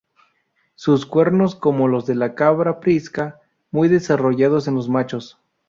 Sus cuernos como los de la cabra prisca, muy desarrollados en los machos.